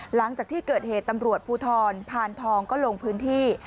หลังจากที่เกิดเหตุตำรวจภูทรพานทองก็ลงพื้นที่